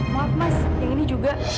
maaf mas yang ini juga